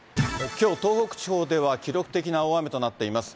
きょう、東北地方では記録的な大雨となっています。